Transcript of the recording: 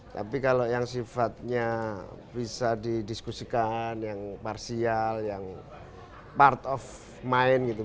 tapi kalau yang sifatnya bisa didiskusikan yang parsial yang part of mind gitu